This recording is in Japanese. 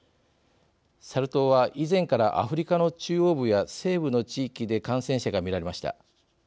サル痘は以前からアフリカの中央部や西部の地域で感染者が見られました。